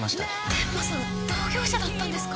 天間さん同業者だったんですか。